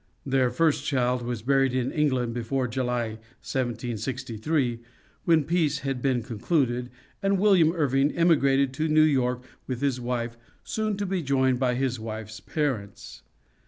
Their first child was buried in England before July, 1763, when peace had been concluded, and William Irving emigrated to New York with his wife, soon to be joined by his wife's parents.